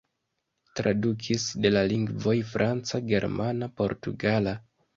Tradukis de la lingvoj franca, germana, portugala.